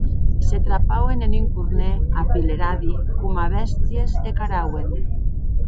Se trapauen en un cornèr apileradi coma bèsties e carauen.